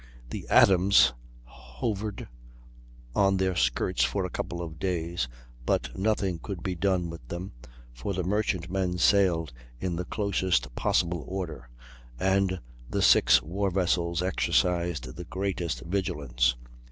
The Adams hovered on their skirts for a couple of days, but nothing could be done with them, for the merchant men sailed in the closest possible order and the six war vessels exercised the greatest vigilance.